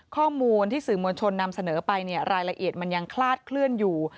ข้อมูลที่สื่อมวลชนนำเสนอไปเนี่ยรายละเอียดมันยังคลาดเคลื่อนอยู่